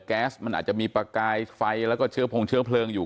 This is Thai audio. แก๊สมันอาจจะมีประกายไฟแล้วก็เชื้อพงเชื้อเพลิงอยู่